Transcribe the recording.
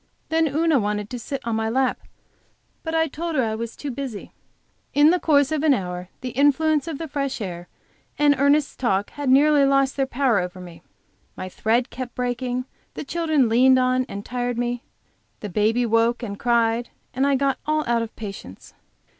Then Una wanted to sit in my lap, but I told her I was too busy. In the course of an hour the influence of the fresh air and Ernest's talk had nearly lost their power over me; my thread kept breaking, the children leaned on and tired me, the baby woke up and cried, and I got all out of patience.